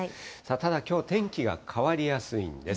ただ、きょう、天気が変わりやすいんです。